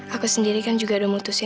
aku sendiri kan juga udah memutuskan